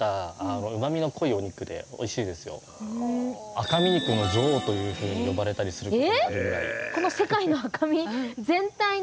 赤身肉の女王というふうに呼ばれたりするぐらい。